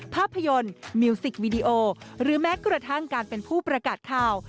ภาพยนตร์มิวสิกวีดีโอหรือแม้กระทั่งการเป็นผู้ประกาศข่าว